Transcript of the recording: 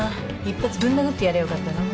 一発ぶん殴ってやりゃよかったな。